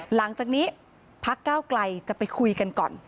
หลังจากนี้พักก้าวไกลจะไปคุยกันก่อน